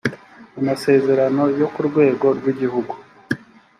amasezerano yo ku rwego rw’igihugu